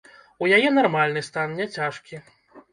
У яе нармальны стан, не цяжкі.